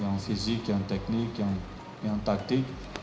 yang fisik yang teknik yang taktik